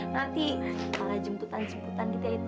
nanti malah jemputan jemputan kita itu